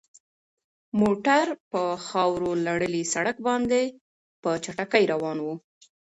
موټر په خاورو لړلي سړک باندې په چټکۍ روان و.